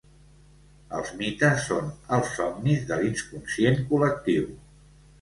Els mites són els somnis de l'inconscient col·lectiu.